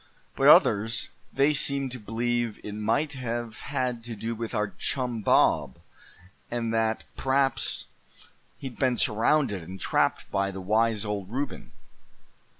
But others, they seemed to b'lieve it might have had to do with our chum Bob, and that p'raps he'd been surrounded, and trapped by the wise old Reuben."